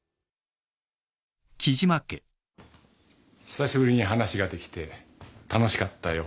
久しぶりに話しができて楽しかったよ